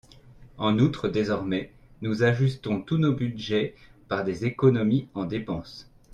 En outre, désormais, nous ajustons tous nos budgets par des économies en dépenses.